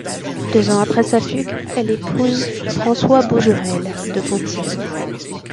Deux ans après sa fugue, elle épouse François Bougerel de Fontienne.